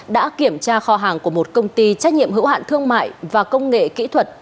đã kiểm tra kho hàng của một công ty trách nhiệm hữu hạn thương mại và công nghệ kỹ thuật